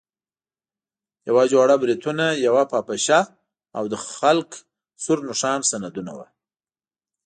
یوه جوړه بریتونه، یوه پاپشه او د خلق سور نښان سندونه وو.